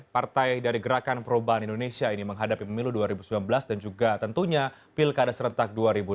partai dari gerakan perubahan indonesia ini menghadapi pemilu dua ribu sembilan belas dan juga tentunya pilkada serentak dua ribu delapan belas